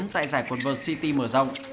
tại giải quân world city mở rộng